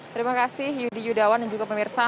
terima kasih yudi yudawan dan juga pemirsa